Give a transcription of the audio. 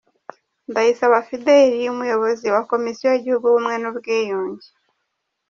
Ndayisaba Fidele umuyobozi wa Komisiyo y'igihugu y'ubumwe n'ubwiyunge.